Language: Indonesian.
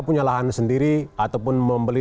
punya lahan sendiri ataupun membeli